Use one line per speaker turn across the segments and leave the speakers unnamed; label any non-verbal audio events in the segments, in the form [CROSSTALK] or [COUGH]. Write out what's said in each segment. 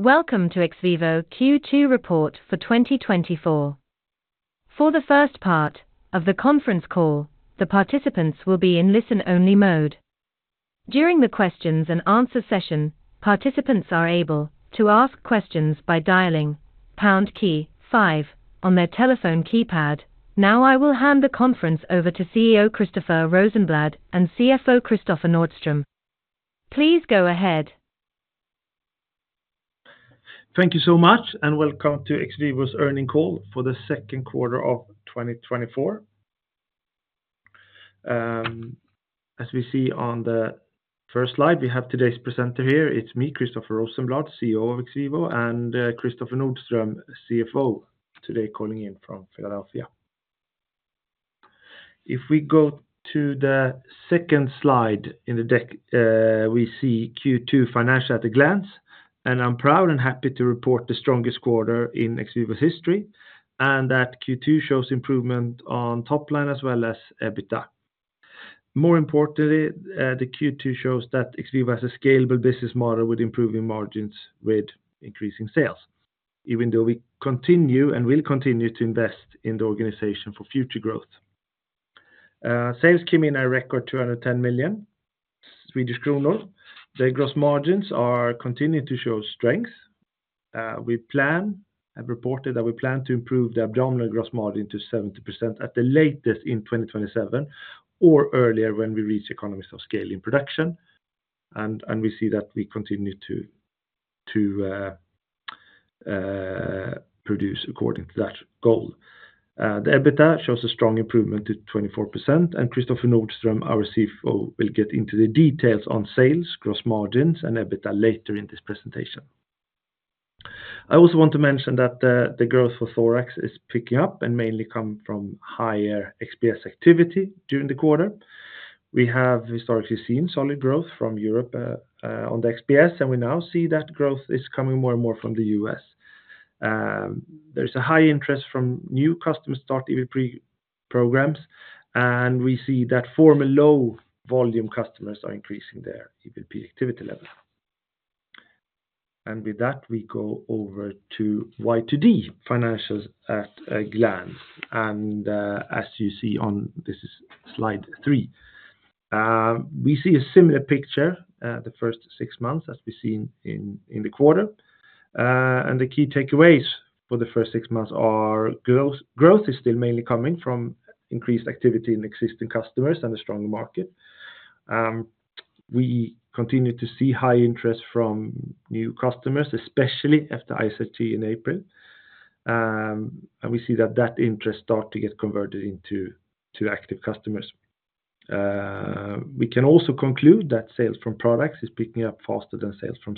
Welcome to XVIVO Q2 report for 2024. For the first part of the conference call, the participants will be in listen-only mode. During the questions and answer session, participants are able to ask questions by dialing pound key five on their telephone keypad. Now, I will hand the conference over to CEO Christoffer Rosenblad and CFO Kristoffer Nordström. Please go ahead.
Thank you so much, and welcome to XVIVO's earnings call for the second quarter of 2024. As we see on the first slide, we have today's presenter here. It's me, Christoffer Rosenblad, CEO of XVIVO, and Kristoffer Nordström, CFO, today, calling in from Philadelphia. If we go to the second slide in the deck, we see Q2 financials at a glance, and I'm proud and happy to report the strongest quarter in XVIVO's history, and that Q2 shows improvement on top line as well as EBITDA. More importantly, the Q2 shows that XVIVO has a scalable business model with improving margins, with increasing sales, even though we continue and will continue to invest in the organization for future growth. Sales came in a record 210 million Swedish kronor. The gross margins are continuing to show strength. We plan and reported that we plan to improve the abdominal gross margin to 70% at the latest in 2027, or earlier when we reach economies of scale in production, and we see that we continue to produce according to that goal. The EBITDA shows a strong improvement to 24, and Kristoffer Nordström, our CFO, will get into the details on sales, gross margins, and EBITDA later in this presentation. I also want to mention that the growth for thorax is picking up and mainly come from higher XPS activity during the quarter. We have historically seen solid growth from Europe on the XPS, and we now see that growth is coming more and more from the U.S. There's a high interest from new customers starting EVLP programs, and we see that former low volume customers are increasing their EVLP activity level. With that, we go over to YTD financials at a glance. As you see on this, it's slide three, we see a similar picture, the first six months as we've seen in the quarter. And the key takeaways for the first six months are growth. Growth is still mainly coming from increased activity in existing customers and a stronger market. We continue to see high interest from new customers, especially after ISHLT in April. And we see that interest starts to get converted into active customers. We can also conclude that sales from products is picking up faster than sales from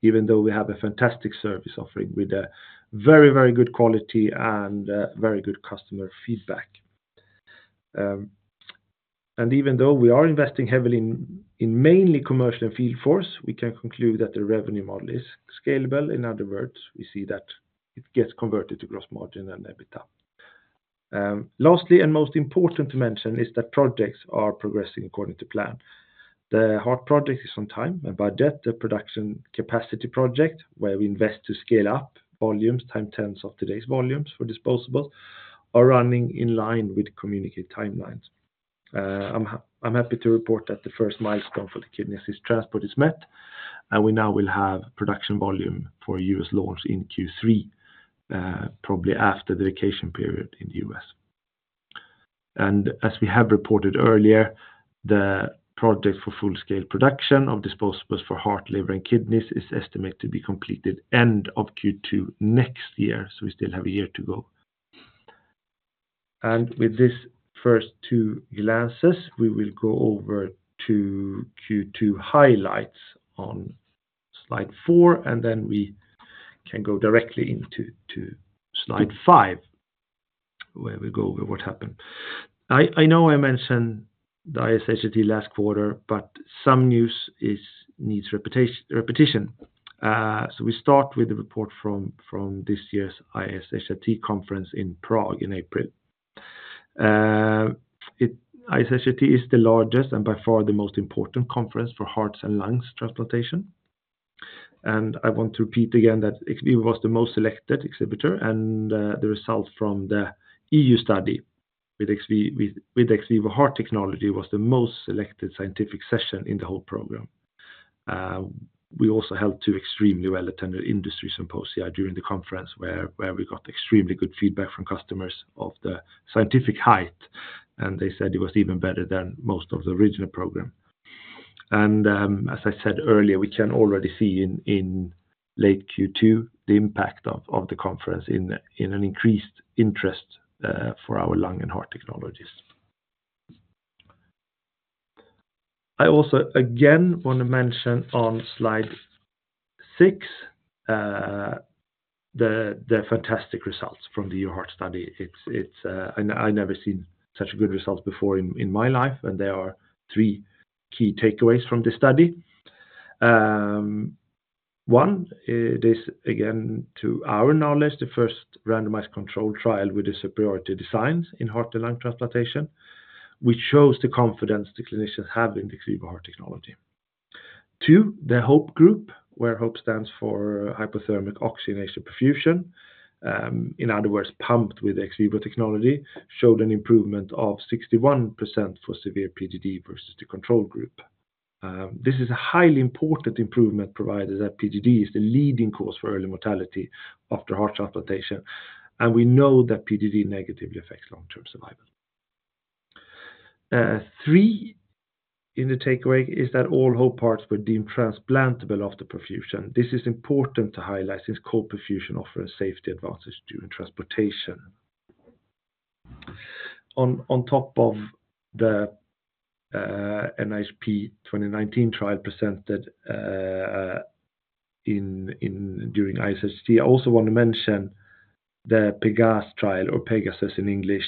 services, even though we have a fantastic service offering with a very, very good quality and very good customer feedback. And even though we are investing heavily in, in mainly commercial and field force, we can conclude that the revenue model is scalable. In other words, we see that it gets converted to gross margin and EBITDA. Lastly, and most important to mention is that projects are progressing according to plan. The heart project is on time, and by that, the production capacity project, where we invest to scale up volumes, 10x of today's volumes for disposables, are running in line with communicate timelines. I'm happy to report that the first milestone for the Kidney Assist Transport is met, and we now will have production volume for U.S. launch in Q3, probably after the vacation period in the U.S. And as we have reported earlier, the project for full-scale production of disposables for heart, liver, and kidneys is estimated to be completed end of Q2 next year, so we still have a year to go. And with this first two glances, we will go over to Q2 highlights on slide four, and then we can go directly into slide five, where we go over what happened. I know I mentioned the ISHLT last quarter, but some news needs repetition. So we start with the report from this year's ISHLT conference in Prague in April. ISHLT is the largest and by far the most important conference for heart and lung transplantation. And I want to repeat again that XVIVO was the most selected exhibitor, and the result from the EU study with XVIVO heart technology was the most selected scientific session in the whole program. We also held two extremely well-attended industry symposia during the conference, where we got extremely good feedback from customers on the scientific highlights, and they said it was even better than most of the original program. And as I said earlier, we can already see in late Q2 the impact of the conference in an increased interest for our lung and heart technologies. I also again want to mention on slide six the fantastic results from the one-year heart study. It's and I never seen such good results before in my life, and there are three key takeaways from this study. One, it is, again, to our knowledge, the first randomized controlled trial with the superiority designs in heart to lung transplantation, which shows the confidence the clinicians have in the XVIVO heart technology. Two, the HOPE group, where HOPE stands for hypothermic oxygenated perfusion, in other words, pumped with XVIVO technology, showed an improvement of 61% for severe PGD versus the control group. This is a highly important improvement provided that PGD is the leading cause for early mortality after heart transplantation, and we know that PGD negatively affects long-term survival. Three, the takeaway is that all hearts were deemed transplantable after perfusion. This is important to highlight since cold perfusion offers safety advances during transportation. On top of the NHP 2019 trial presented in during ISHLT, I also want to mention the PEGASUS trial or Pegasus in English,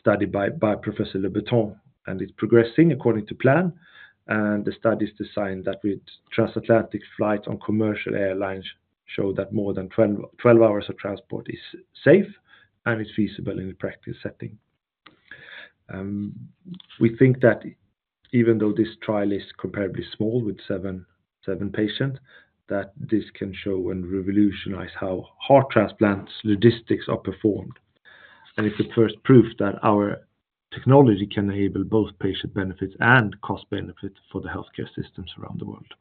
study by Professor Lebreton, and it's progressing according to plan. The study is designed that with transatlantic flight on commercial airlines show that more than 12 hours of transport is safe, and it's feasible in a practice setting. We think that even though this trial is comparably small with seven patients, that this can show and revolutionize how heart transplants logistics are performed. It's the first proof that our technology can enable both patient benefits and cost benefits for the healthcare systems around the world.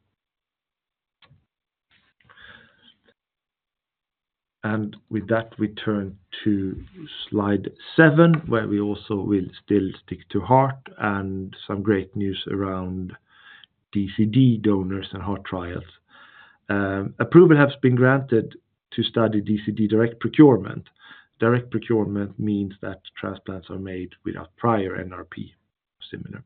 With that, we turn to slide seven, where we also will still stick to heart and some great news around DCD donors and heart trials. Approval has been granted to study DCD direct procurement. Direct procurement means that transplants are made without prior NRP, similar.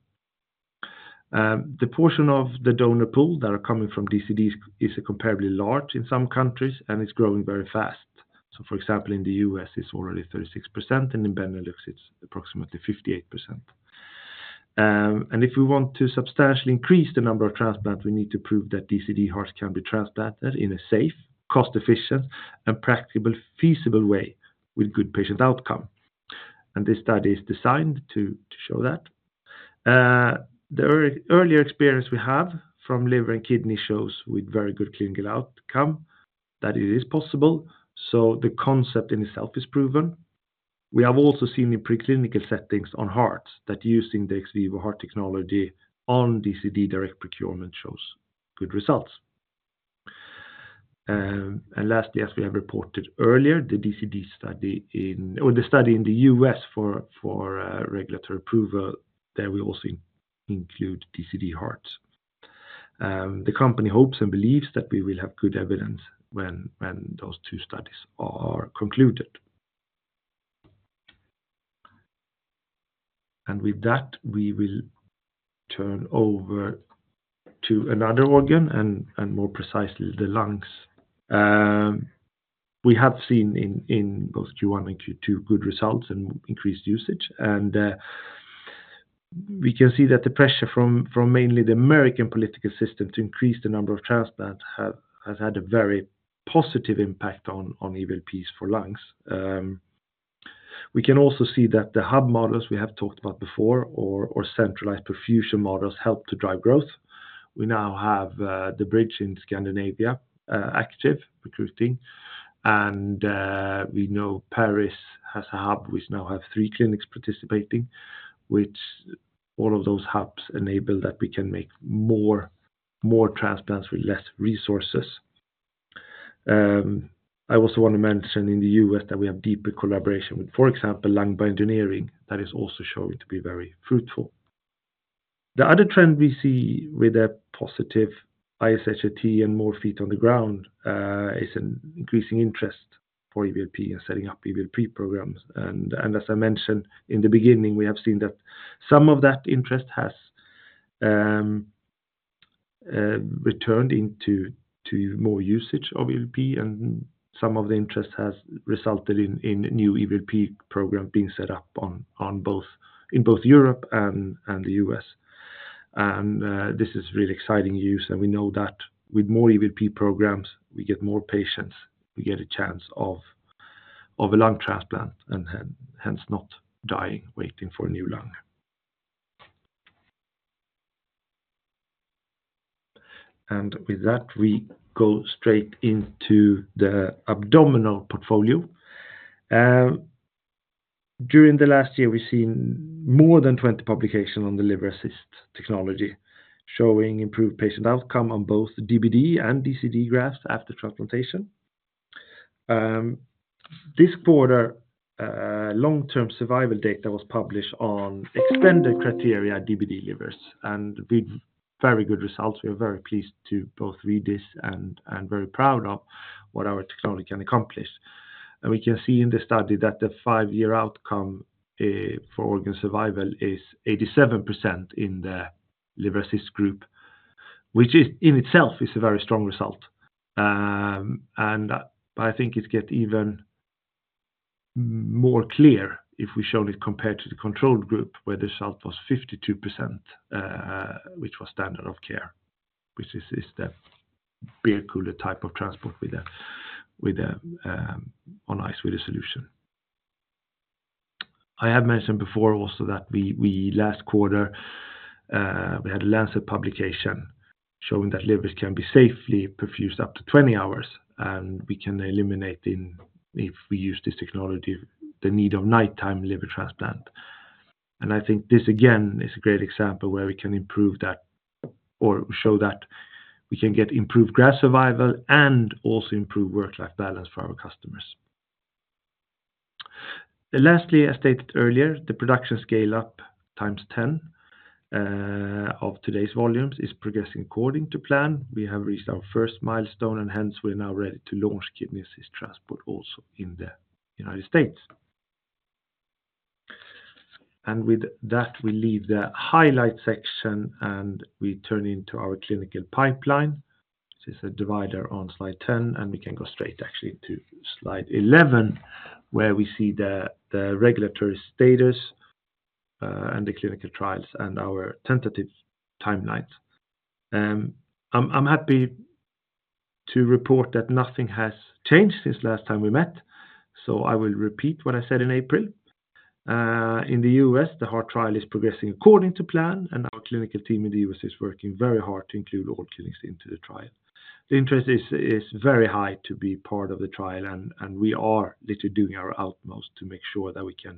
The portion of the donor pool that are coming from DCD is comparably large in some countries, and it's growing very fast. So for example, in the U.S., it's already 36%, and in Benelux, it's approximately 58%. And if we want to substantially increase the number of transplants, we need to prove that DCD hearts can be transplanted in a safe, cost-efficient, and practical, feasible way with good patient outcome. This study is designed to show that. The earlier experience we have from liver and kidney shows with very good clinical outcome that it is possible, so the concept in itself is proven. We have also seen in preclinical settings on hearts that using the XVIVO heart technology on DCD direct procurement shows good results. And lastly, as we have reported earlier, the DCD study or the study in the U.S. for regulatory approval, there we also include DCD hearts. The company hopes and believes that we will have good evidence when those two studies are concluded. And with that, we will turn over to another organ and more precisely, the lungs. We have seen in both Q1 and Q2 good results and increased usage, and we can see that the pressure from mainly the American political system to increase the number of transplants has had a very positive impact on EVLPs for lungs. We can also see that the hub models we have talked about before or centralized perfusion models help to drive growth. We now have the bridge in Scandinavia active recruiting, and we know Paris has a hub, which now have three clinics participating, which all of those hubs enable that we can make more transplants with less resources. I also want to mention in the U.S. that we have deeper collaboration with, for example, Lung Bioengineering, that is also showing to be very fruitful. The other trend we see with a positive ISHLT and more feet on the ground is an increasing interest for EVLP and setting up EVLP programs. As I mentioned in the beginning, we have seen that some of that interest has returned into more usage of EVLP, and some of the interest has resulted in new EVLP program being set up in both Europe and the US. And this is really exciting news, and we know that with more EVLP programs, we get more patients, we get a chance of a lung transplant and hence not dying, waiting for a new lung. And with that, we go straight into the abdominal portfolio. During the last year, we've seen more than 20 publications on the liver assist technology, showing improved patient outcome on both DBD and DCD grafts after transplantation. This quarter, long-term survival data was published on extended criteria DBD livers, and with very good results. We are very pleased to both read this and very proud of what our technology can accomplish. We can see in the study that the five-year outcome for organ survival is 87% in the Liver Assist group, which is, in itself, a very strong result. I think it get even more clear if we shown it compared to the control group, where the result was 52%, which was standard of care, which is the beer cooler type of transport with the on ice with a solution. I have mentioned before also that we last quarter we had a Lancet publication showing that livers can be safely perfused up to 20 hours, and we can eliminate, if we use this technology, the need of nighttime liver transplant. I think this, again, is a great example where we can improve that or show that we can get improved graft survival and also improve work-life balance for our customers. Lastly, as stated earlier, the production scale up times 10 of today's volumes is progressing according to plan. We have reached our first milestone, and hence, we're now ready to launch Kidney Assist Transport also in the United States. And with that, we leave the highlight section, and we turn into our clinical pipeline. This is a divider on slide 10, and we can go straight, actually, to slide 11, where we see the regulatory status and the clinical trials and our tentative timelines. I'm happy to report that nothing has changed since last time we met, so I will repeat what I said in April. In the US, the heart trial is progressing according to plan, and our clinical team in the US is working very hard to include all clinics into the trial. The interest is very high to be part of the trial, and we are literally doing our utmost to make sure that we can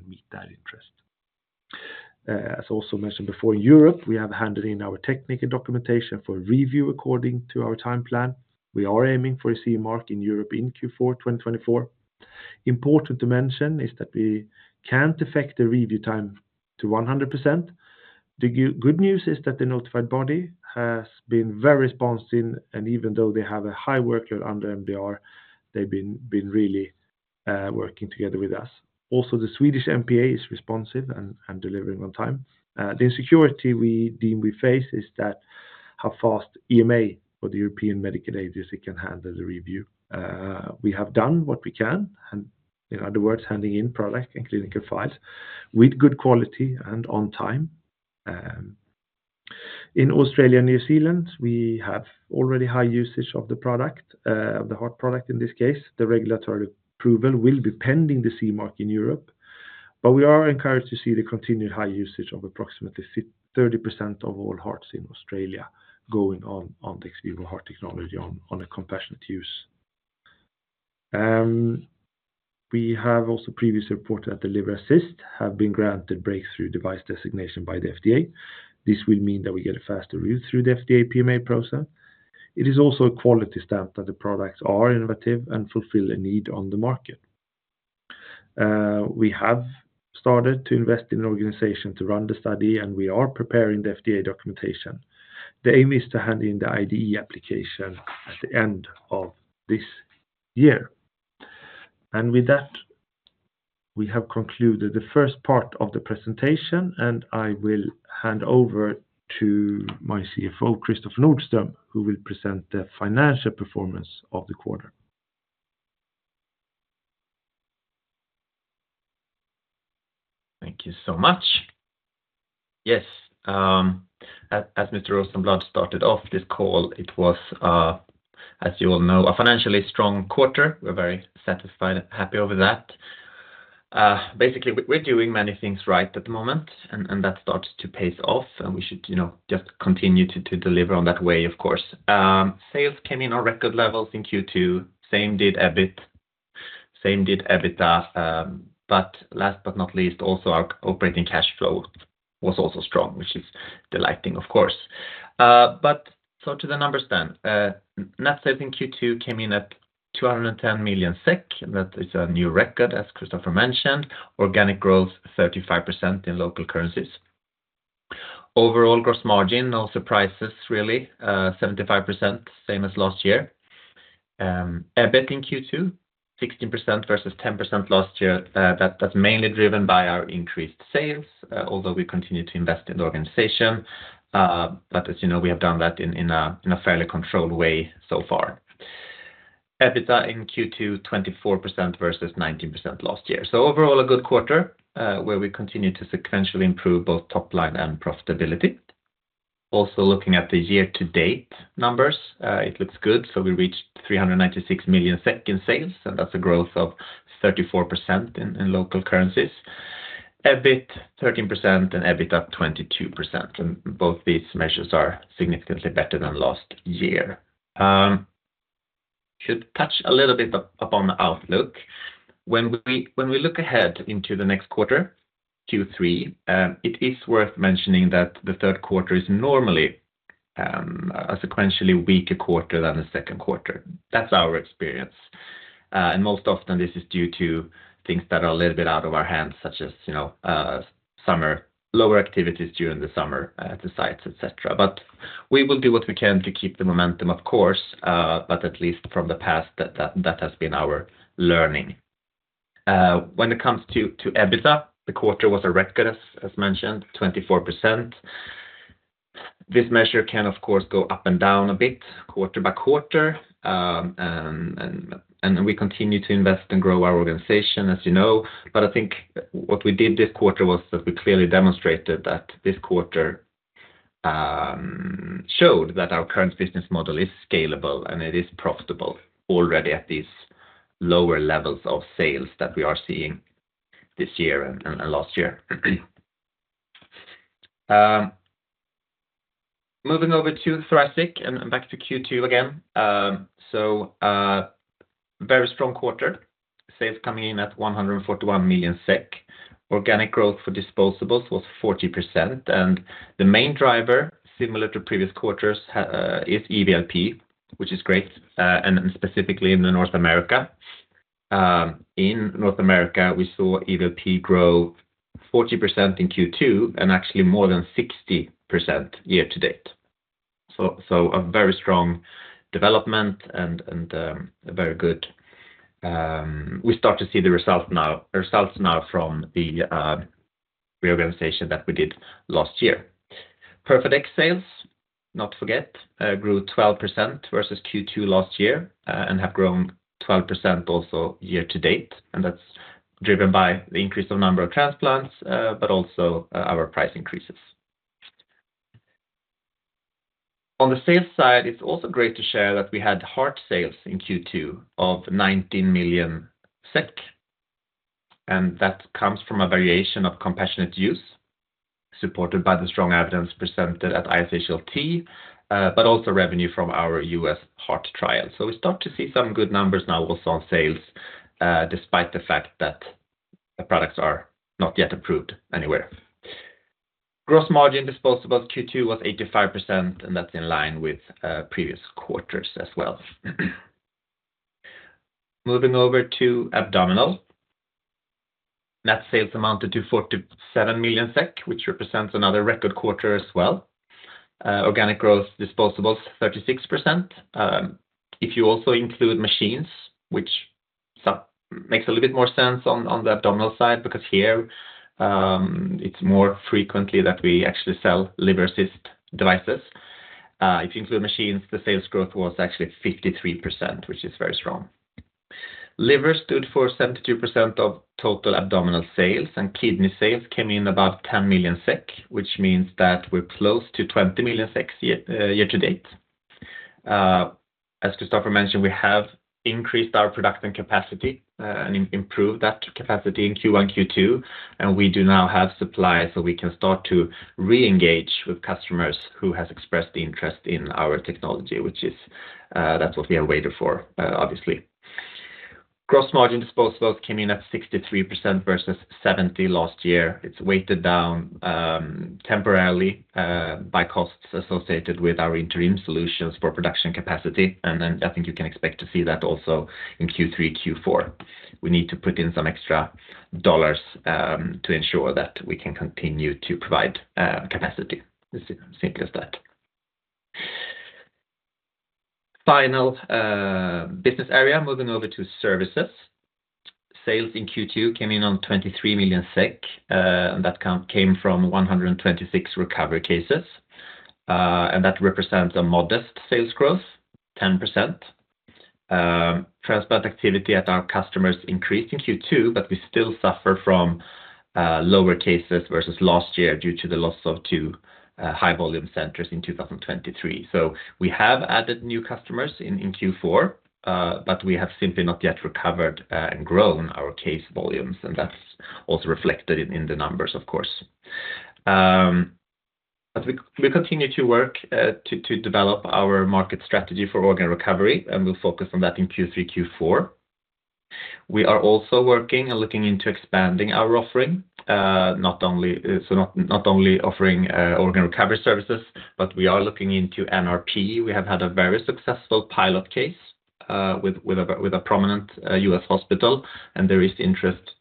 meet that interest. As also mentioned before, in Europe, we have handed in our technical documentation for review according to our time plan. We are aiming for a CE Mark in Europe in Q4 2024. Important to mention is that we can't affect the review time to 100%. The good news is that the notified body has been very responsive, and even though they have a high workload under MDR, they've been really working together with us. Also, the Swedish MPA is responsive and delivering on time. The insecurity we deem we face is that how fast EMA or the European Medicines Agency can handle the review. We have done what we can, and in other words, handing in product and clinical files with good quality and on time. In Australia and New Zealand, we have already high usage of the product, the heart product in this case. The regulatory approval will be pending the CE mark in Europe, but we are encouraged to see the continued high usage of approximately 30% of all hearts in Australia going on the XVIVO heart technology on a compassionate use. We have also previously reported that the Liver Assist have been granted breakthrough device designation by the FDA. This will mean that we get a faster route through the FDA PMA process. It is also a quality stamp that the products are innovative and fulfill a need on the market. We have started to invest in an organization to run the study, and we are preparing the FDA documentation. The aim is to hand in the IDE application at the end of this year. With that, we have concluded the first part of the presentation, and I will hand over to my CFO, Kristoffer Nordström, who will present the financial performance of the quarter.
Thank you so much. Yes, as Mr. Rosenblad started off this call, it was, as you all know, a financially strong quarter. We're very satisfied and happy over that. We're doing many things right at the moment, and that starts to pace off, and we should, you know, just continue to deliver on that way, of course. Sales came in on record levels in Q2. Same did EBIT, same did EBITDA, but last but not least, also our operating cash flow was also strong, which is delighting, of course. So to the numbers then. Net sales in Q2 came in at 210 million SEK, and that is a new record, as Christoffer mentioned. Organic growth, 35% in local currencies. Overall, gross margin, also prices really, 75%, same as last year. EBIT in Q2, 16% versus 10% last year, that, that's mainly driven by our increased sales, although we continue to invest in the organization. But as you know, we have done that in a fairly controlled way so far. EBITDA in Q2, 24% versus 19% last year. So overall, a good quarter, where we continue to sequentially improve both top line and profitability. Also, looking at the year-to-date numbers, it looks good. So we reached 396 million in sales, and that's a growth of 34% in local currencies. EBIT, 13%, and EBITDA, 22%, and both these measures are significantly better than last year. Should touch a little bit up on the outlook. When we, when we look ahead into the next quarter, Q3, it is worth mentioning that the third quarter is normally a sequentially weaker quarter than the second quarter. That's our experience. And most often, this is due to things that are a little bit out of our hands, such as, you know, summer, lower activities during the summer, the sites, et cetera. But we will do what we can to keep the momentum, of course, but at least from the past, that, that has been our learning. When it comes to, to EBITDA, the quarter was a record, as, as mentioned, 24%. This measure can, of course, go up and down a bit, quarter by quarter, and, and we continue to invest and grow our organization, as you know. But I think what we did this quarter was that we clearly demonstrated that this quarter showed that our current business model is scalable, and it is profitable already at these lower levels of sales that we are seeing this year and last year. Moving over to thoracic and back to Q2 again. So very strong quarter. Sales coming in at 141 million SEK. Organic growth for disposables was 40%, and the main driver, similar to previous quarters, is EVLP, which is great, and specifically in the North America. In North America, we saw EVLP grow 40% in Q2, and actually more than 60% year to date. So a very strong development and a very good. We start to see the results now from the reorganization that we did last year. PERFADEX sales, not forget, grew 12% versus Q2 last year, and have grown 12% also year to date, and that's driven by the increase of number of transplants, but also our price increases. On the sales side, it's also great to share that we had heart sales in Q2 of 19 million SEK, and that comes from a variation of compassionate use, supported by the strong evidence presented at ISHLT, but also revenue from our U.S. heart trial. So we start to see some good numbers now also on sales, despite the fact that the products are not yet approved anywhere. Gross margin disposables, Q2 was 85%, and that's in line with previous quarters as well. Moving over to abdominal. Net sales amounted to 47 million SEK, which represents another record quarter as well. Organic growth, disposables, 36%. If you also include machines, which so makes a little bit more sense on the abdominal side, because here, it's more frequently that we actually sell Liver Assist devices. If you include machines, the sales growth was actually 53%, which is very strong. Liver stood for 72% of total abdominal sales, and kidney sales came in about 10 million SEK, which means that we're close to 20 million SEK year to date. As Christoffer mentioned, we have increased our production capacity, and improved that capacity in Q1, Q2, and we do now have supply, so we can start to reengage with customers who has expressed the interest in our technology, which is, that's what we have waited for, obviously. Gross margin disposables came in at 63% versus 70% last year. It's weighted down, temporarily, by costs associated with our interim solutions for production capacity, and then I think you can expect to see that also in Q3, Q4. We need to put in some extra dollars, to ensure that we can continue to provide, capacity. It's as simple as that. Final, business area, moving over to services. Sales in Q2 came in on 23 million SEK, and that came from 126 recovery cases, and that represents a modest sales growth, 10%. Transplant activity at our customers increased in Q2, but we still suffer from lower cases versus last year due to the loss of two high volume centers in 2023. So we have added new customers in Q4, but we have simply not yet recovered and grown our case volumes, and that's also reflected in the numbers, of course. As we continue to work to develop our market strategy for organ recovery, and we'll focus on that in Q3, Q4. We are also working and looking into expanding our offering, not only—so not only offering organ recovery services, but we are looking into NRP. We have had a very successful pilot case with a prominent U.S. hospital, and there is interest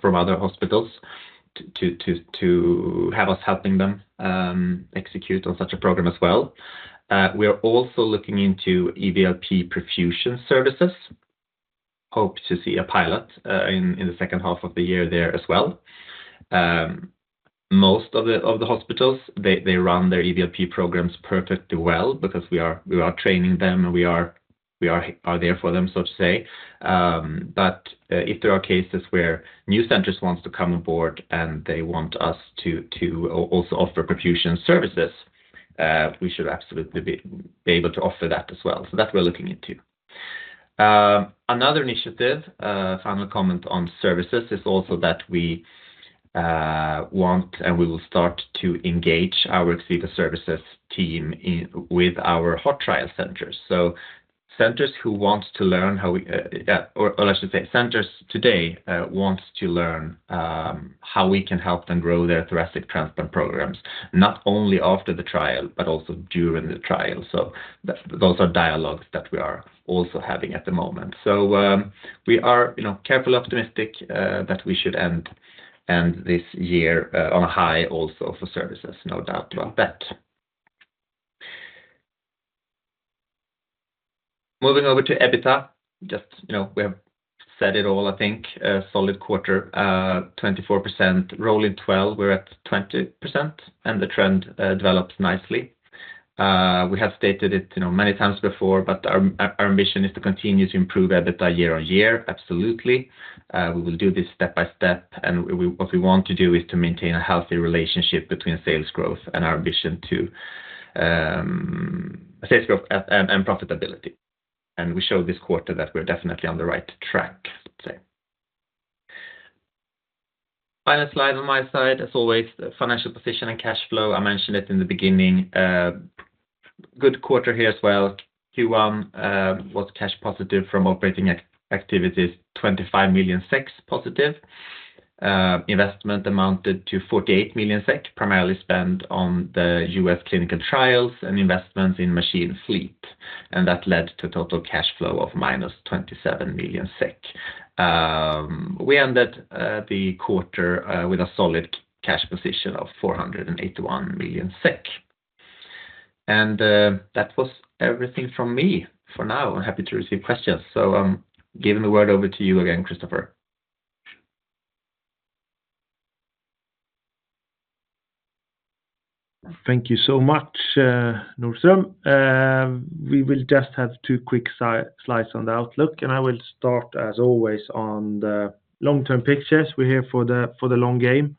from other hospitals to have us helping them execute on such a program as well. We are also looking into EVLP perfusion services. Hope to see a pilot in the second half of the year there as well. Most of the hospitals, they run their EVLP programs perfectly well because we are training them, and we are there for them, so to say. But if there are cases where new centers wants to come aboard and they want us to also offer perfusion services, we should absolutely be able to offer that as well. So that's what we're looking into. Another initiative, final comment on services, is also that we want, and we will start to engage our XVIVO services team in... with our heart trial centers. So centers who want to learn how we, or, or I should say, centers today, wants to learn, how we can help them grow their thoracic transplant programs, not only after the trial, but also during the trial. So that, those are dialogues that we are also having at the moment. So, we are, you know, cautiously optimistic, that we should end this year, on a high also for services, no doubt about that. Moving over to EBITDA, just, you know, we have said it all, I think, a solid quarter, 24%. Rolling twelve, we're at 20%, and the trend develops nicely. We have stated it, you know, many times before, but our mission is to continue to improve EBITDA year-on-year, absolutely. We will do this step by step, and what we want to do is to maintain a healthy relationship between sales growth and our mission to sales growth and profitability. And we show this quarter that we're definitely on the right track today. Final slide on my side, as always, the financial position and cash flow. I mentioned it in the beginning, good quarter here as well. Q1 was cash positive from operating activities, 25 million positive. Investment amounted to 48 million SEK, primarily spent on the U.S. clinical trials and investments in machine fleet, and that led to total cash flow of -27 million SEK. We ended the quarter with a solid cash position of 481 million SEK. That was everything from me for now. I'm happy to receive questions. Giving the word over to you again, Kristoffer.
Thank you so much, Nordström. We will just have two quick slides on the outlook, and I will start, as always, on the long-term pictures. We're here for the long game,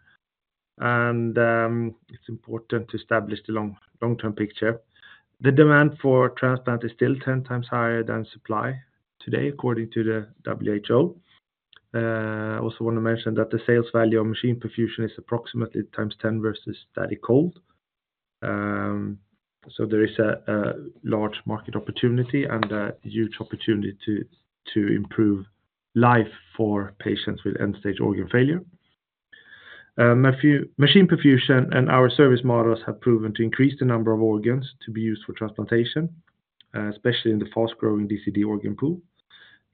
and it's important to establish the long, long-term picture. The demand for transplant is still 10x higher than supply today, according to the WHO. I also want to mention that the sales value of machine perfusion is approximately 10x versus static cold. So there is a large market opportunity and a huge opportunity to improve life for patients with end-stage organ failure. Machine perfusion and our service models have proven to increase the number of organs to be used for transplantation, especially in the fast-growing DCD organ pool.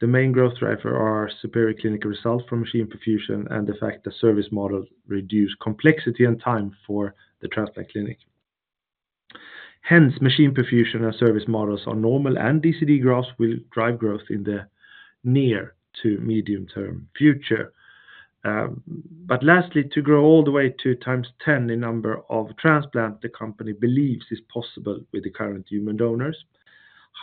The main growth driver are superior clinical results from machine perfusion and the fact that service models reduce complexity and time for the transplant clinic. Hence, machine perfusion and service models on normal and DCD grafts will drive growth in the near to medium-term future. But lastly, to grow all the way to 10x the number of transplant, the company believes is possible with the current human donors.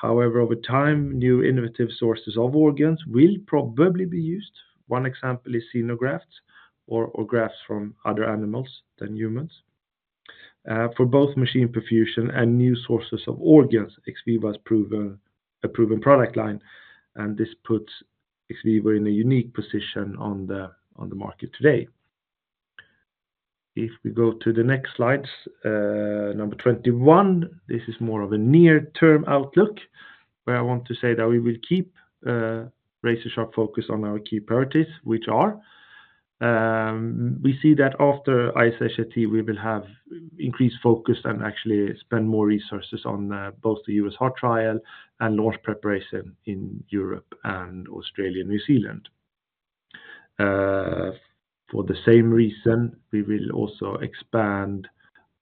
However, over time, new innovative sources of organs will probably be used. One example is xenografts or grafts from other animals than humans. For both machine perfusion and new sources of organs, XVIVO has proven a proven product line, and this puts XVIVO in a unique position on the market today. If we go to the next slides, number 21, this is more of a near-term outlook, where I want to say that we will keep razor sharp focus on our key priorities, which are, we see that after ISHLT, we will have increased focus and actually spend more resources on both the US heart trial and launch preparation in Europe and Australia, New Zealand. For the same reason, we will also expand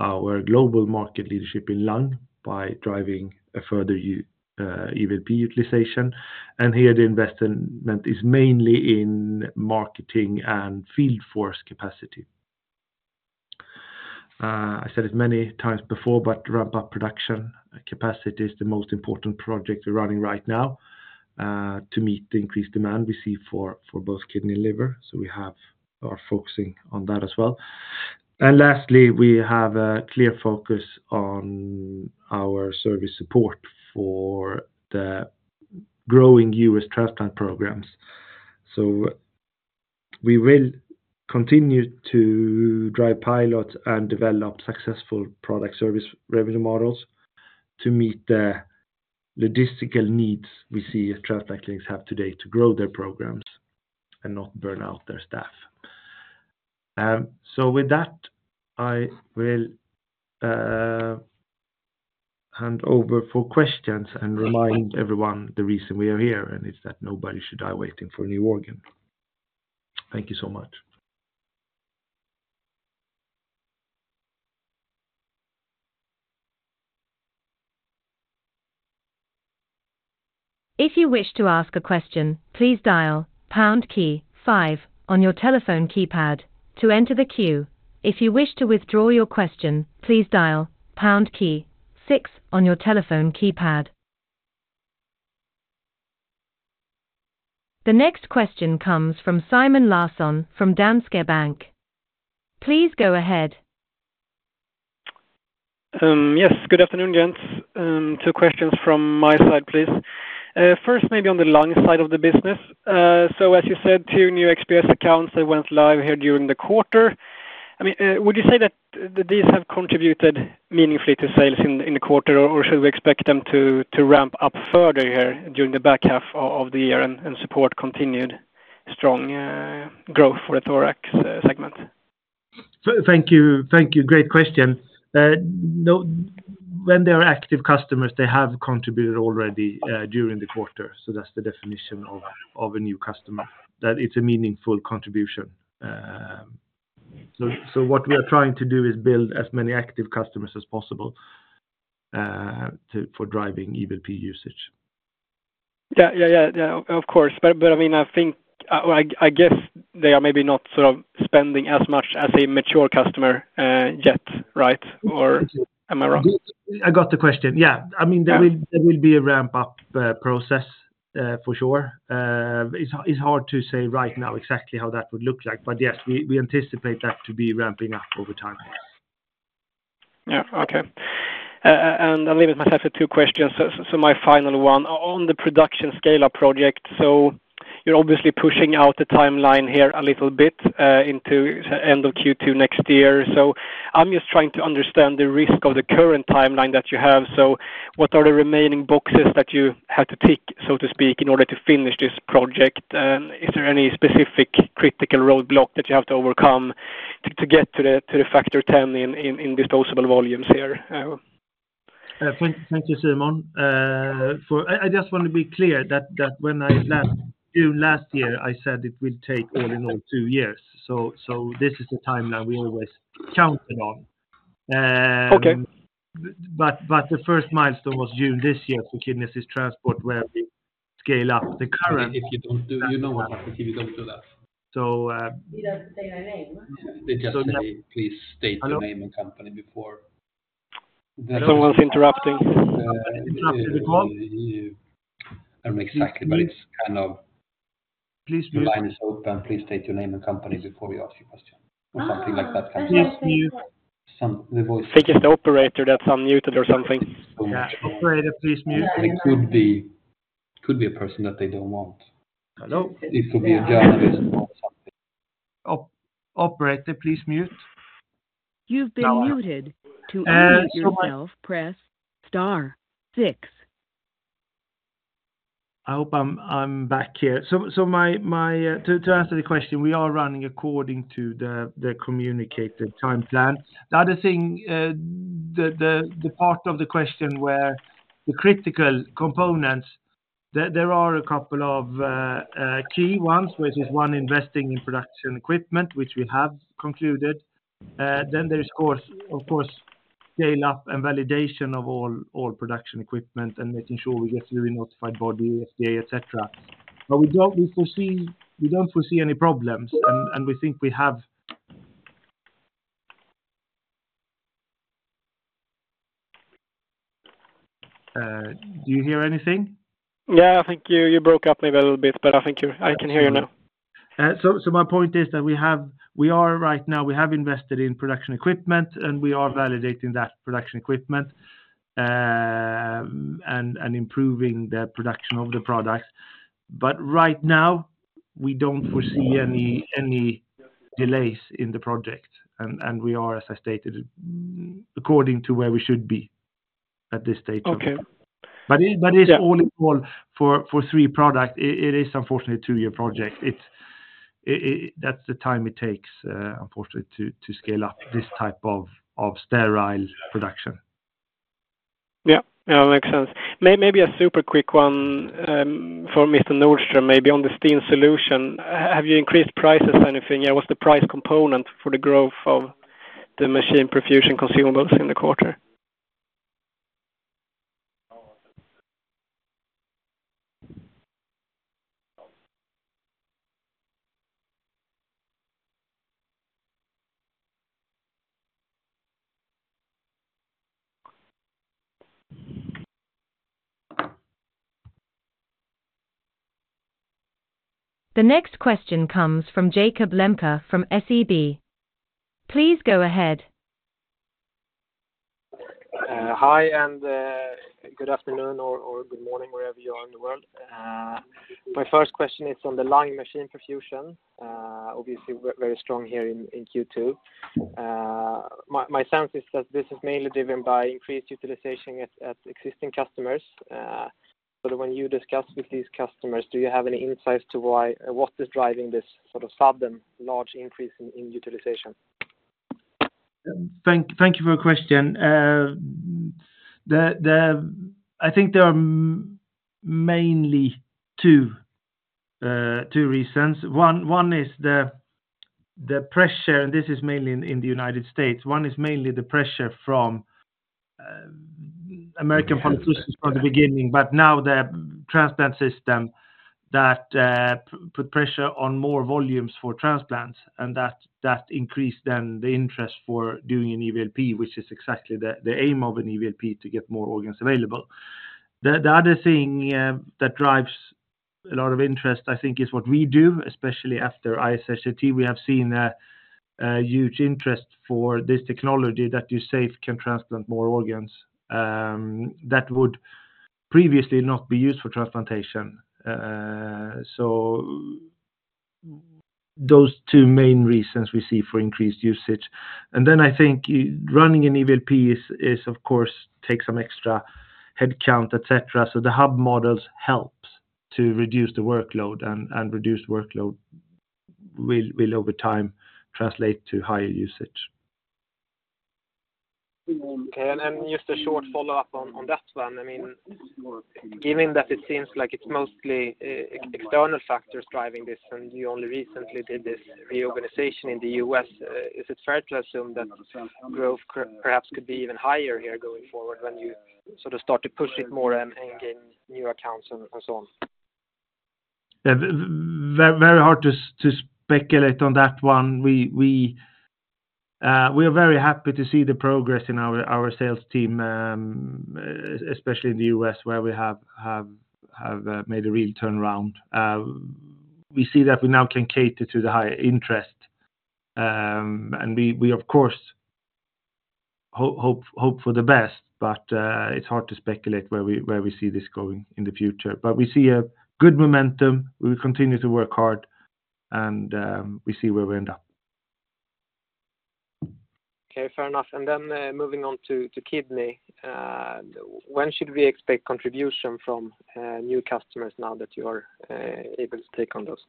our global market leadership in lung by driving a further EVLP utilization. Here, the investment is mainly in marketing and field force capacity. I said it many times before, but ramp up production capacity is the most important project we're running right now to meet the increased demand we see for both kidney and liver. So we are focusing on that as well. Lastly, we have a clear focus on our service support for the growing US transplant programs. We will continue to drive pilots and develop successful product service revenue models to meet the logistical needs we see transplant clinics have today to grow their programs and not burn out their staff. With that, I will hand over for questions and remind everyone the reason we are here, and it's that nobody should die waiting for a new organ. Thank you so much.
If you wish to ask a question, please dial pound key five on your telephone keypad to enter the queue. If you wish to withdraw your question, please dial pound key six on your telephone keypad. The next question comes from Simon Larsén from Danske Bank. Please go ahead.
Yes, good afternoon, gents. Two questions from my side, please. First, maybe on the lung side of the business. So as you said, two new XPS accounts that went live here during the quarter. I mean, would you say that these have contributed meaningfully to sales in the quarter, or should we expect them to ramp up further here during the back half of the year and support continued strong growth for the thorax segment?
So thank you. Thank you. Great question. No, when they are active customers, they have contributed already during the quarter. So that's the definition of a new customer, that it's a meaningful contribution. So what we are trying to do is build as many active customers as possible to drive EVLP usage.
Yeah, yeah, yeah, of course. But, but I mean, I think, or I, I guess they are maybe not sort of spending as much as a mature customer, yet, right? Or am I wrong?
I got the question. Yeah. I mean there will be a ramp-up process, for sure. It's, it's hard to say right now exactly how that would look like, but yes, we, we anticipate that to be ramping up over time.
Yeah. Okay, and I leave myself with two questions. So my final one, on the production scale-up project, so you're obviously pushing out the timeline here a little bit into end of Q2 next year. So I'm just trying to understand the risk of the current timeline that you have. So what are the remaining boxes that you have to tick, so to speak, in order to finish this project? And is there any specific critical roadblock that you have to overcome to get to the factor 10 in disposable volumes here?
Thank you, Simon. I just want to be clear that when I left last year, I said it will take all in all two years. So this is the timeline we always counted on.
Okay.
But the first milestone was June this year for kidneys transport, where we scale up the current-
If you don't do, you know what, if you don't do that.
So, uh-
You didn't say your name. Just please state your name and company before.
Someone's interrupting.
Interrupting with what?
I don't know exactly, but it's kind of-
Please mute.
The line is open. Please state your name and company before we ask you a question, or something like that.
Please mute. Some the voice- I think it's the operator that's unmuted or something.
Yeah, operator, please mute.
It could be, could be a person that they don't want.
I know.
It could be a journalist or something.
Operator, please mute.
You've been muted. To unmute yourself, press star six.
I hope I'm back here. So, my, to answer the question, we are running according to the communicated time plan. The other thing, the part of the question where the critical components, there are a couple of key ones, which is one, investing in production equipment, which we have concluded. Then there is, of course, scale-up and validation of all production equipment and making sure we get through the notified body, FDA, et cetera. But we don't foresee any problems, and we think we have... Do you hear anything?
Yeah, I think you, you broke up maybe a little bit, but I think you, I can hear you now.
So, my point is that we have. We are right now. We have invested in production equipment, and we are validating that production equipment and improving the production of the products. But right now, we don't foresee any delays in the project, and we are, as I stated, according to where we should be at this stage.
Okay.
But it's all in all, for three products, it is unfortunately a two-year project. That's the time it takes, unfortunately, to scale up this type of sterile production.
Yeah, yeah, makes sense. Maybe a super quick one for Mr. Nordström, maybe on the STEEN solution. Have you increased prices or anything? Yeah, what's the price component for the growth of the machine perfusion consumables in the quarter? [INAUDIBLE]
The next question comes from Jakob Lembke from SEB. Please go ahead.
Hi, and good afternoon or good morning, wherever you are in the world. My first question is on the lung machine perfusion. Obviously, we're very strong here in Q2. My sense is that this is mainly driven by increased utilization at existing customers. But when you discuss with these customers, do you have any insights to why—what is driving this sort of sudden large increase in utilization?
Thank you for your question. I think there are mainly two reasons. One is the pressure, and this is mainly in the United States. One is mainly the pressure from American politicians from the beginning, but now the transplant system that put pressure on more volumes for transplants, and that increased then the interest for doing an EVLP, which is exactly the aim of an EVLP, to get more organs available. The other thing that drives a lot of interest, I think, is what we do, especially after ISHLT. We have seen a huge interest for this technology that you can safely transplant more organs, that would previously not be used for transplantation. So those two main reasons we see for increased usage. And then I think running an EVLP is, of course, take some extra headcount, et cetera. So the hub models helps to reduce the workload, and reduce workload will over time translate to higher usage.
Okay, and then just a short follow-up on that one. I mean, given that it seems like it's mostly external factors driving this, and you only recently did this reorganization in the U.S., is it fair to assume that growth perhaps could be even higher here going forward when you sort of start to push it more and gain new accounts and so on?
Yeah, very hard to speculate on that one. We are very happy to see the progress in our sales team, especially in the US, where we have made a real turnaround. We see that we now can cater to the high interest, and we of course hope for the best, but it's hard to speculate where we see this going in the future. But we see a good momentum. We will continue to work hard, and we see where we end up.
Okay, fair enough. And then, moving on to kidney, when should we expect contribution from new customers now that you are able to take on those?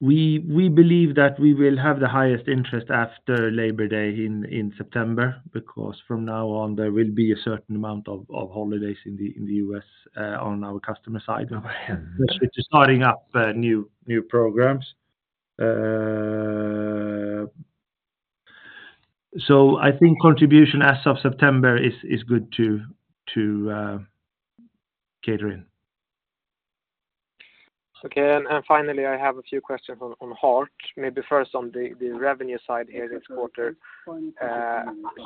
We believe that we will have the highest interest after Labor Day in September, because from now on, there will be a certain amount of holidays in the U.S., on our customer side, which is starting up new programs. So I think contribution as of September is good to cater in.
Okay. And finally, I have a few questions on heart. Maybe first on the revenue side here this quarter.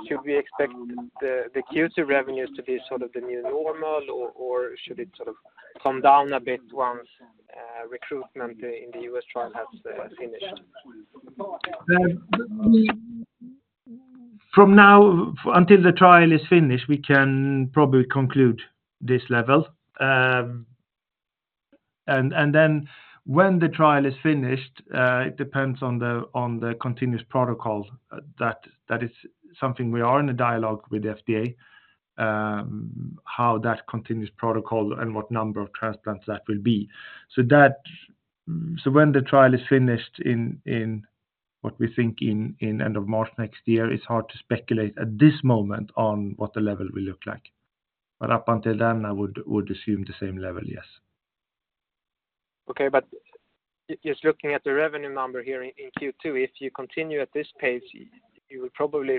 Should we expect the Q2 revenues to be sort of the new normal, or should it sort of come down a bit once recruitment in the US trial has finished?
From now until the trial is finished, we can probably conclude this level. And then when the trial is finished, it depends on the continuous protocol. That is something we are in a dialogue with the FDA, how that continuous protocol and what number of transplants that will be. So that, so when the trial is finished in what we think end of March next year, it's hard to speculate at this moment on what the level will look like. But up until then, I would assume the same level, yes.
Okay, but just looking at the revenue number here in, in Q2, if you continue at this pace, you will probably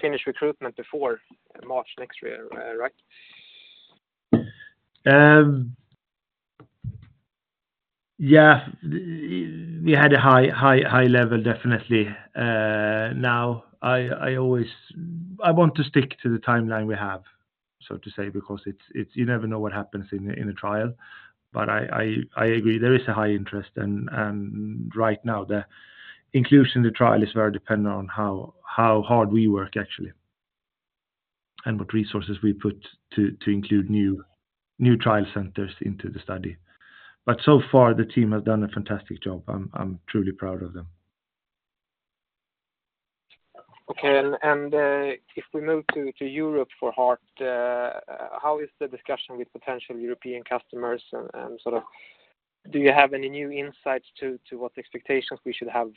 finish recruitment before March next year, right?
Yeah, we had a high, high, high level, definitely. Now, I always—I want to stick to the timeline we have, so to say, because it's—you never know what happens in a trial. But I agree, there is a high interest, and right now, the inclusion in the trial is very dependent on how hard we work, actually, and what resources we put to include new trial centers into the study. But so far, the team has done a fantastic job. I'm truly proud of them.
Okay. And if we move to Europe for heart, how is the discussion with potential European customers? Sort of, do you have any new insights to what expectations we should have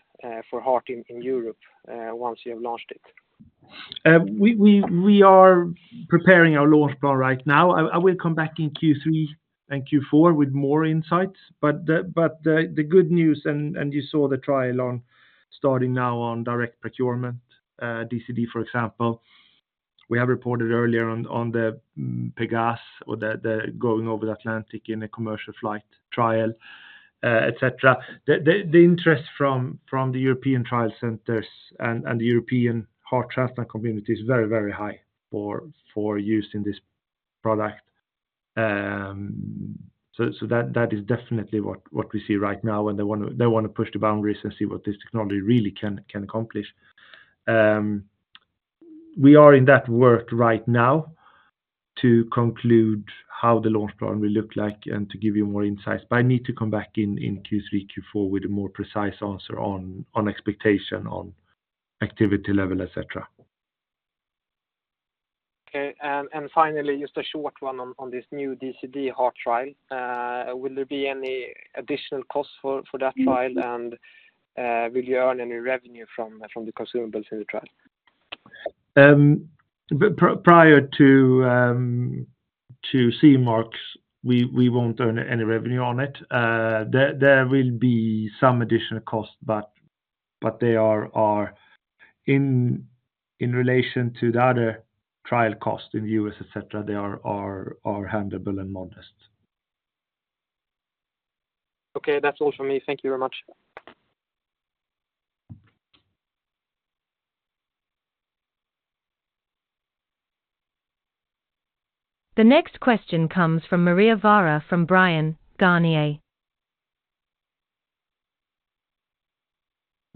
for heart in Europe once you have launched it?
We are preparing our launch plan right now. I will come back in Q3 and Q4 with more insights, but the good news, and you saw the trial on starting now on direct procurement, DCD, for example, we have reported earlier on the PEGASUS or the going over the Atlantic in a commercial flight trial, et cetera. The interest from the European trial centers and the European heart transplant community is very, very high for use in this product. So that is definitely what we see right now, and they wanna push the boundaries and see what this technology really can accomplish. We are in that work right now to conclude how the launch plan will look like and to give you more insights, but I need to come back in Q3, Q4 with a more precise answer on expectation, on activity level, et cetera.
Okay. And finally, just a short one on this new DCD heart trial. Will there be any additional costs for that trial, and will you earn any revenue from the consumables in the trial?
Prior to CE marks, we won't earn any revenue on it. There will be some additional costs, but they are, in relation to the other trial costs in U.S., et cetera, handleable and modest.
Okay. That's all for me. Thank you very much.
The next question comes from Maria Vara, from Bryan, Garnier.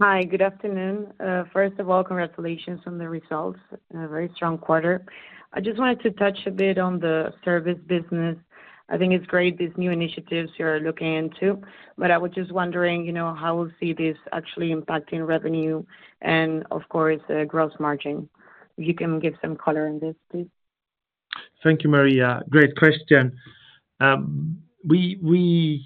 Hi, good afternoon. First of all, congratulations on the results, a very strong quarter. I just wanted to touch a bit on the service business. I think it's great, these new initiatives you're looking into, but I was just wondering, you know, how we'll see this actually impacting revenue and of course, gross margin. You can give some color on this, please.
Thank you, Maria. Great question. We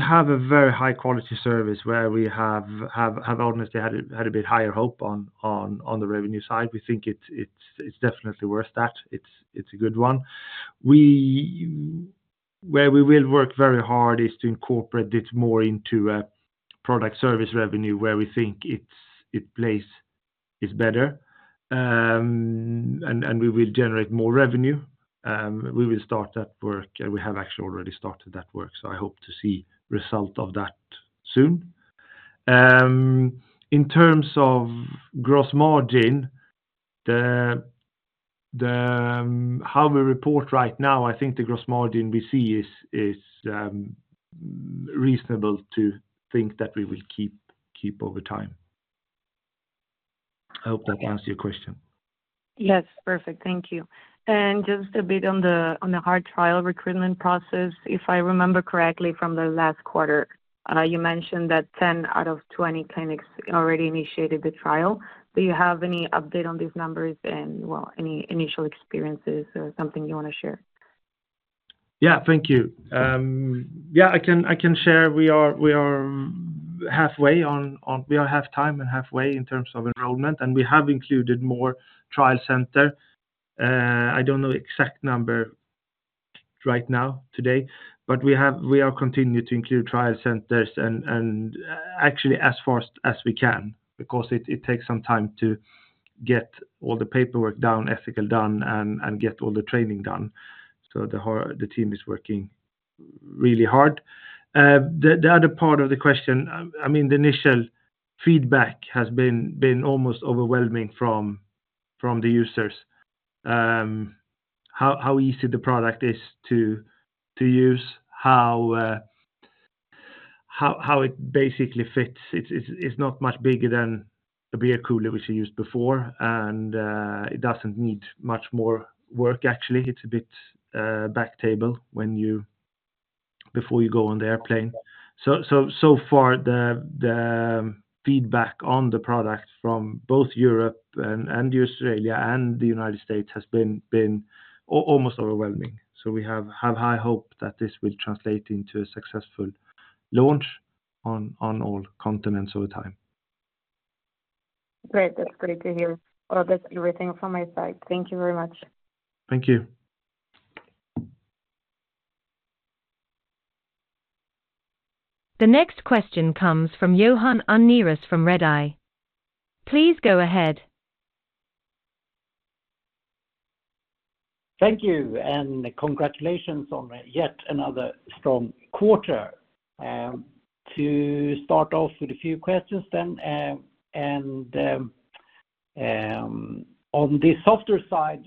have a very high-quality service where we have honestly had a bit higher hope on the revenue side. We think it's definitely worth that. It's a good one. Where we will work very hard is to incorporate it more into a product service revenue, where we think its place is better, and we will generate more revenue. We will start that work, and we have actually already started that work, so I hope to see result of that soon. In terms of gross margin, the how we report right now, I think the gross margin we see is reasonable to think that we will keep over time. I hope that answers your question.
Yes, perfect. Thank you. And just a bit on the heart trial recruitment process. If I remember correctly from the last quarter, you mentioned that 10 out of 20 clinics already initiated the trial. Do you have any update on these numbers and, well, any initial experiences or something you want to share?
Yeah, thank you. Yeah, I can share. We are halfway on-- we are half time and halfway in terms of enrollment, and we have included more trial center. I don't know the exact number right now, today, but we are continuing to include trial centers and actually as fast as we can, because it takes some time to get all the paperwork done, ethical done, and get all the training done. So the team is working really hard. The other part of the question, I mean, the initial feedback has been almost overwhelming from the users. How easy the product is to use, how it basically fits. It's not much bigger than a beer cooler, which you used before, and it doesn't need much more work, actually. It's a bit back table when before you go on the airplane. So far, the feedback on the product from both Europe and Australia and the United States has been almost overwhelming. So we have high hope that this will translate into a successful launch on all continents over time.
Great. That's great to hear. Well, that's everything from my side. Thank you very much.
Thank you.
The next question comes from Johan Unnérus from Redeye. Please go ahead.
Thank you, and congratulations on yet another strong quarter. To start off with a few questions then, and on the softer side,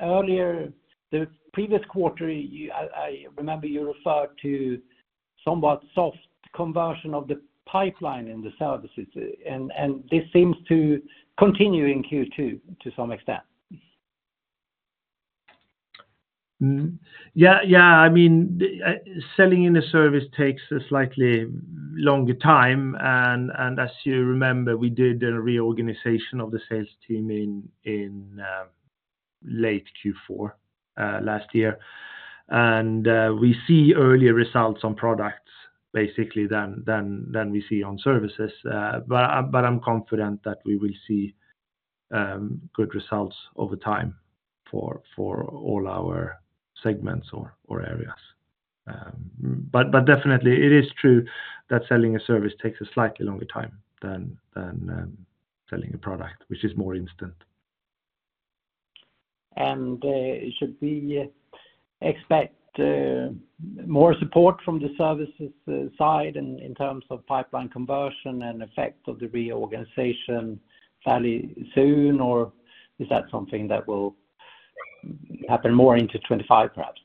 earlier, the previous quarter, you, I remember you referred to somewhat soft conversion of the pipeline in the services, and this seems to continue in Q2 to some extent.
Mmm. Yeah, yeah. I mean, the selling in a service takes a slightly longer time, and as you remember, we did a reorganization of the sales team in late Q4 last year. We see earlier results on products basically than we see on services. But I'm confident that we will see good results over time for all our segments or areas. But definitely it is true that selling a service takes a slightly longer time than selling a product, which is more instant.
Should we expect more support from the services side in terms of pipeline conversion and effect of the reorganization fairly soon? Or is that something that will happen more into 2025, perhaps?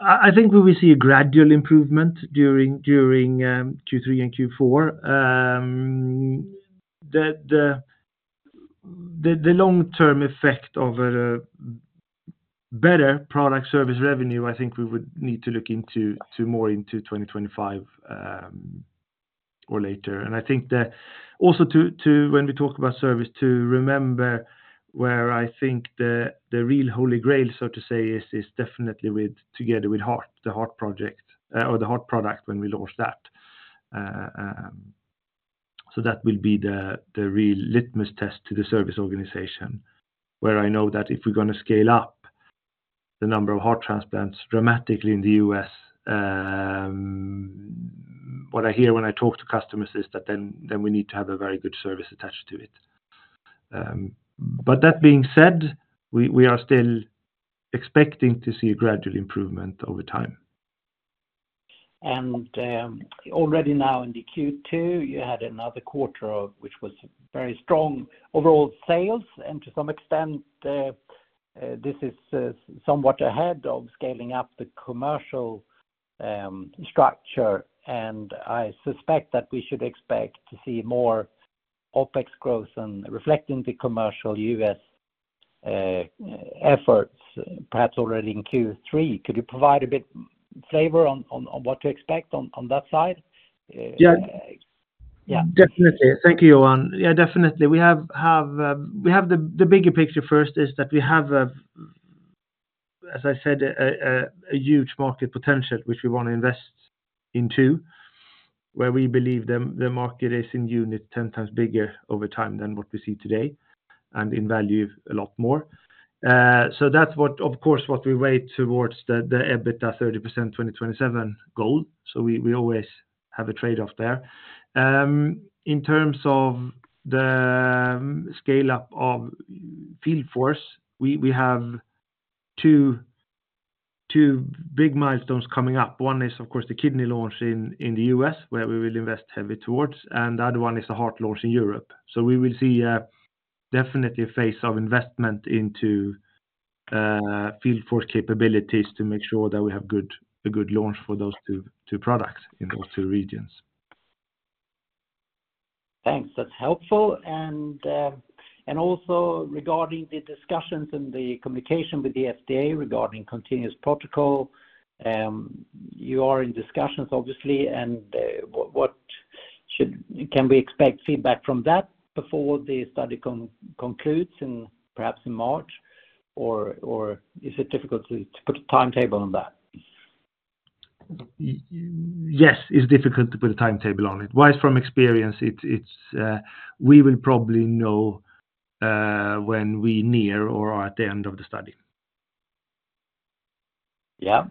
I think we will see a gradual improvement during Q3 and Q4. The long-term effect of a better product service revenue, I think we would need to look more into 2025, or later. And I think that also, when we talk about service, to remember where I think the real holy grail, so to say, is definitely together with heart, the heart project, or the heart product when we launch that. So that will be the real litmus test to the service organization, where I know that if we're gonna scale up the number of heart transplants dramatically in the US, what I hear when I talk to customers is that then we need to have a very good service attached to it. But that being said, we are still expecting to see a gradual improvement over time.
Already now in the Q2, you had another quarter of which was very strong overall sales, and to some extent, this is somewhat ahead of scaling up the commercial structure. I suspect that we should expect to see more OpEx growth reflecting the commercial U.S. efforts, perhaps already in Q3. Could you provide a bit flavor on what to expect on that side?
Yeah.
Yeah.
Definitely. Thank you, Johan. Yeah, definitely. We have the bigger picture first is that we have, as I said, a huge market potential, which we want to invest into. Where we believe the market is in unit 10x bigger over time than what we see today, and in value a lot more. So that's what, of course, what we weigh towards the EBITDA 30% 2027 goal, so we always have a trade-off there. In terms of the scale-up of field force, we have two big milestones coming up. One is, of course, the kidney launch in the U.S., where we will invest heavy towards, and the other one is the heart launch in Europe. We will see definitely a phase of investment into field force capabilities to make sure that we have a good launch for those two, two products in those two regions.
Thanks. That's helpful. And also regarding the discussions and the communication with the FDA regarding continuous protocol, you are in discussions, obviously, and what can we expect feedback from that before the study concludes, perhaps in March, or is it difficult to put a timetable on that?
Yes, it's difficult to put a timetable on it. Wise from experience, it's we will probably know when we near or are at the end of the study.
Yeah.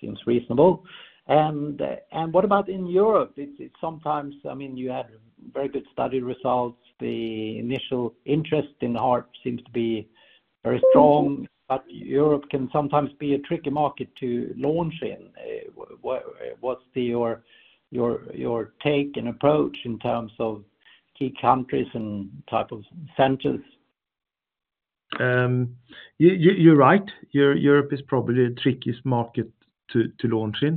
Seems reasonable. And, and what about in Europe? It sometimes—I mean, you had very good study results. The initial interest in heart seems to be very strong, but Europe can sometimes be a tricky market to launch in. What’s your take and approach in terms of key countries and type of centers?
You're right. Europe is probably the trickiest market to launch in,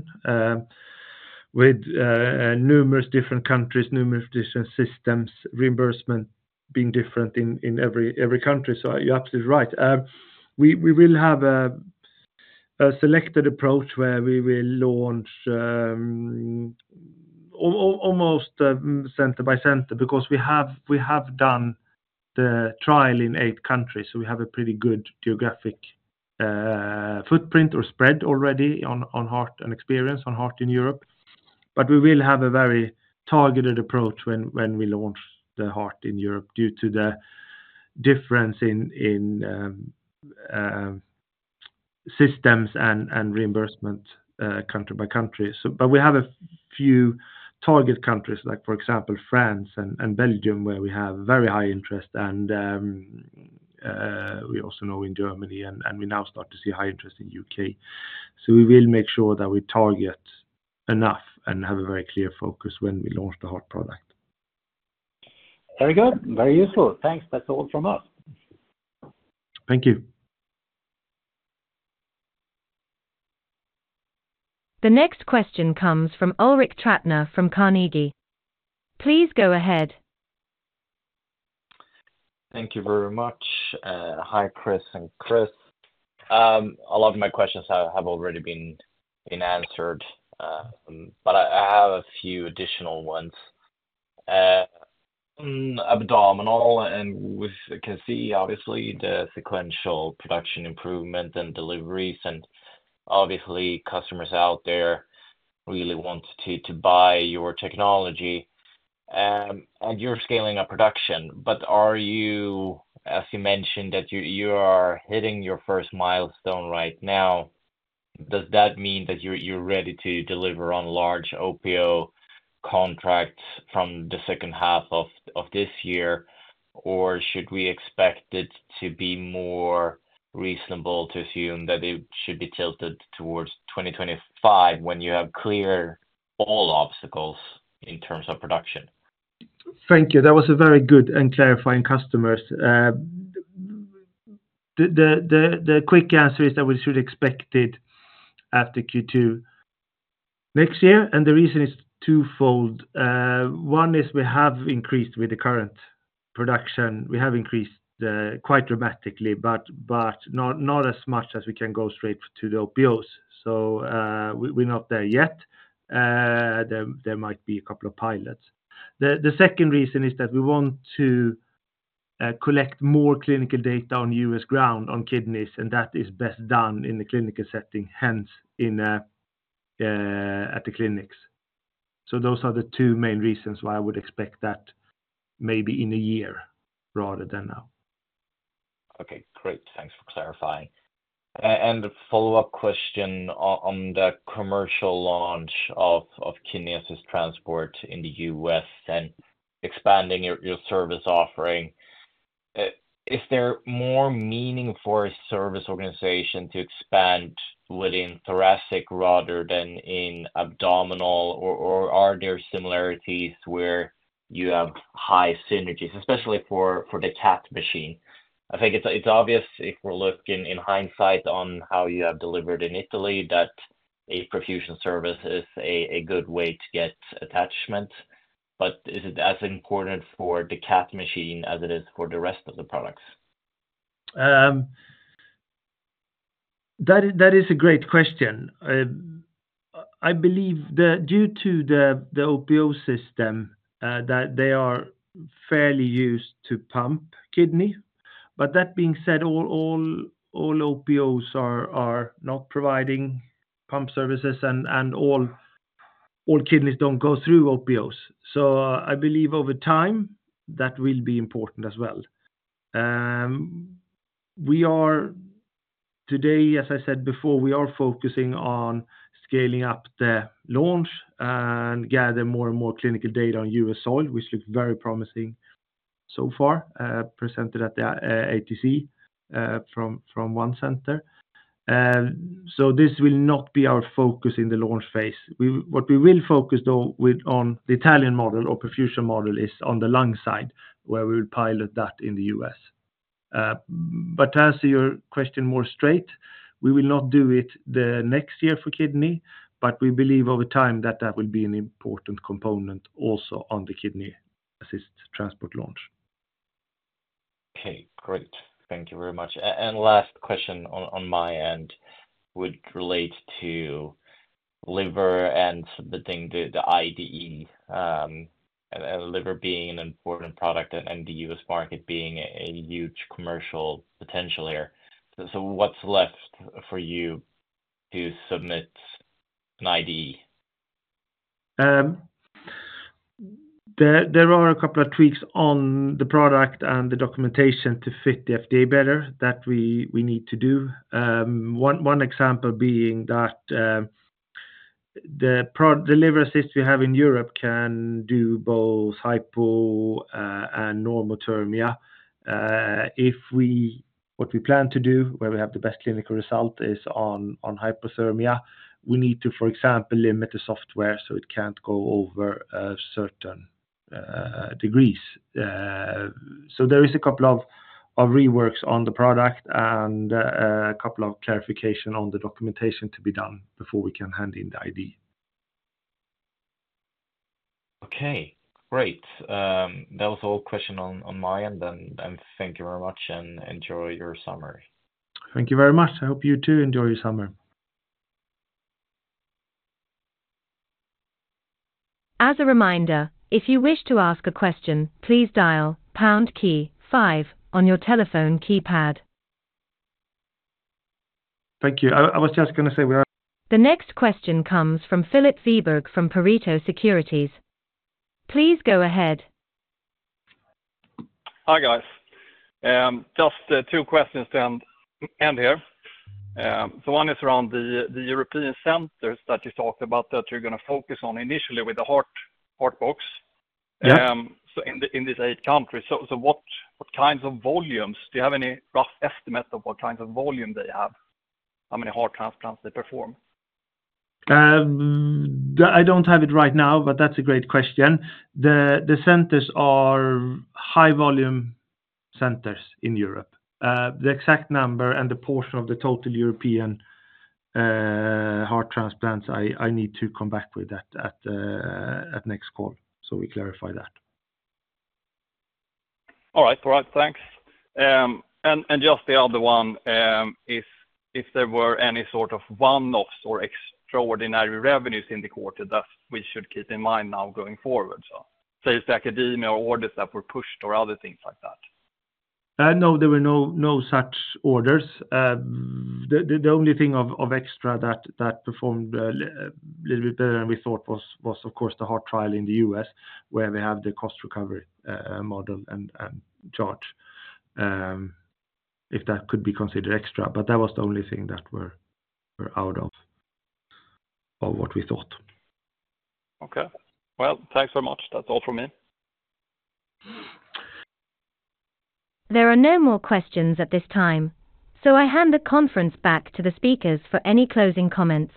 with numerous different countries, numerous different systems, reimbursement being different in every country. So you're absolutely right. We will have a selected approach where we will launch almost center by center, because we have done the trial in eight countries, so we have a pretty good geographic footprint or spread already on heart and experience on heart in Europe. But we will have a very targeted approach when we launch the heart in Europe due to the difference in systems and reimbursement country by country. We have a few target countries, like, for example, France and Belgium, where we have very high interest, and we also know in Germany, and we now start to see high interest in UK. So we will make sure that we target enough and have a very clear focus when we launch the heart product.
Very good. Very useful. Thanks. That's all from us.
Thank you.
The next question comes from Ulrik Trattner from Carnegie. Please go ahead.
Thank you very much. Hi, Chris and Kris. A lot of my questions have already been answered, but I have a few additional ones. Abdominal, and we can see obviously the sequential production improvement and deliveries, and obviously, customers out there really want to buy your technology, and you're scaling up production. But are you, as you mentioned, that you are hitting your first milestone right now, does that mean that you're ready to deliver on large OPO contracts from the second half of this year? Or should we expect it to be more reasonable to assume that it should be tilted towards 2025, when you have clear all obstacles in terms of production?
Thank you. That was a very good and clarifying question. The quick answer is that we should expect it after Q2 next year, and the reason is twofold. One is we have increased with the current production. We have increased quite dramatically, but not as much as we can go straight to the OPOs. So we're not there yet. There might be a couple of pilots. The second reason is that we want to collect more clinical data on US ground, on kidneys, and that is best done in the clinical setting, hence at the clinics. So those are the two main reasons why I would expect that maybe in a year rather than now.
Okay, great. Thanks for clarifying. And a follow-up question on the commercial launch of Kidney Assist Transport in the US and expanding your service offering. Is there more meaning for a service organization to expand within thoracic rather than in abdominal, or are there similarities where you have high synergies, especially for the KAT machine? I think it's obvious if we're looking in hindsight on how you have delivered in Italy, that a perfusion service is a good way to get traction, but is it as important for the KAT machine as it is for the rest of the products?
That is, that is a great question. I believe that due to the OPO system, that they are fairly used to pumping kidneys, but that being said, all OPOs are not providing pump services, and all kidneys don't go through OPOs. So I believe over time, that will be important as well. Today, as I said before, we are focusing on scaling up the launch and gather more and more clinical data on U.S. soil, which looks very promising so far, presented at the ATC from one center. So this will not be our focus in the launch phase. What we will focus on, though, with the Italian model or perfusion model, is on the lung side, where we will pilot that in the U.S. But to answer your question more straight, we will not do it the next year for kidney, but we believe over time that that will be an important component also on the Kidney Assist Transport launch.
Okay, great. Thank you very much. And last question on my end would relate to liver and submitting the IDE, and liver being an important product and the U.S. market being a huge commercial potential here. So what's left for you to submit an IDE?
There are a couple of tweaks on the product and the documentation to fit the FDA better that we need to do. One example being that the Liver Assist we have in Europe can do both hypo and normothermia. What we plan to do, where we have the best clinical result is on hypothermia. We need to, for example, limit the software so it can't go over certain degrees. So there is a couple of reworks on the product and a couple of clarification on the documentation to be done before we can hand in the IDE.
Okay, great. That was all question on my end, and thank you very much, and enjoy your summer.
Thank you very much. I hope you, too, enjoy your summer.
As a reminder, if you wish to ask a question, please dial pound key five on your telephone keypad.
Thank you. I was just gonna say we are-
The next question comes from Filip Wiberg from Pareto Securities. Please go ahead.
Hi, guys. Just two questions to end here. So one is around the European centers that you talked about that you're gonna focus on initially with the Heart Box-
Yeah.
So, in these eight countries. So, what kinds of volumes? Do you have any rough estimate of what kinds of volume they have? How many heart transplants they perform?
I don't have it right now, but that's a great question. The centers are high volume centers in Europe. The exact number and the portion of the total European heart transplants, I need to come back with that at next call, so we clarify that.
All right. All right, thanks. And just the other one, if there were any sort of one-offs or extraordinary revenues in the quarter that we should keep in mind now going forward. So, say, it's academia orders that were pushed or other things like that.
No, there were no such orders. The only thing of extra that performed a little bit better than we thought was, of course, the heart trial in the U.S., where we have the cost recovery model and charge, if that could be considered extra, but that was the only thing that were out of what we thought.
Okay. Well, thanks very much. That's all from me.
There are no more questions at this time, so I hand the conference back to the speakers for any closing comments.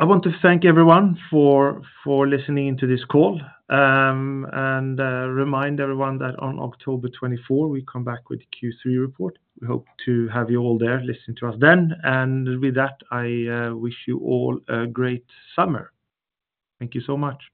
I want to thank everyone for listening to this call, and remind everyone that on October 24, we come back with the Q3 report. We hope to have you all there listening to us then, and with that, I wish you all a great summer. Thank you so much.